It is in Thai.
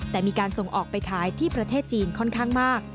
แต่มีการส่งออกไปขายที่ประเทศจีนค่อนข้างมาก